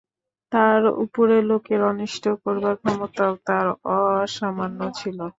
তার উপরে লোকের অনিষ্ট করবার ক্ষমতাও তাঁর অসামান্য ছিল।